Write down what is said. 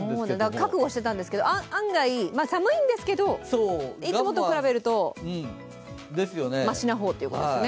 覚悟していたんですけど、案外寒いんですけどいつもと比べるとましな方ということですね。